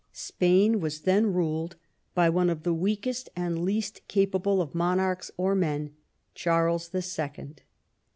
Spain was then ruled by one of the weakest and least capable of monarchs or men, Charles the Second.